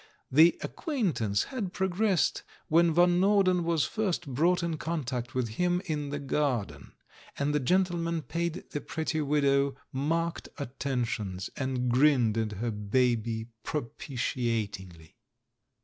The ac quaintance had progressed when Van Norden was first brought in contact with him in the gar den, and the gentleman paid the pretty widow marked attentions, and grinned at her baby pro pitiatingly.